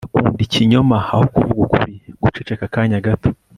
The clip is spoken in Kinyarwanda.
ugakunda ikinyoma aho kuvuga ukuri. (guceceka akanya gato